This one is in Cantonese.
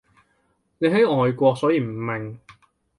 你喺外國所以唔明